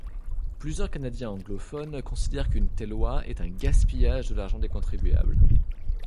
Plusieurs Canadiens anglophones considèrent qu'une telle loi est un gaspillage de l'argent des contribuables.